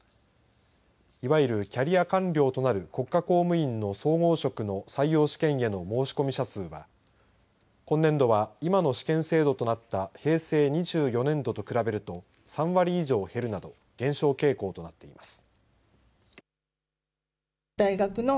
いわゆるキャリア官僚となる国家公務員の総合職の採用試験への申込者数は今年度は、今の試験制度となった平成２４年度と比べると３割以上減るなど減少傾向となっています。